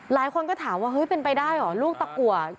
หลายคนก็ถามว่าเฮ้ยเป็นไปได้เหรอลูกตะกัว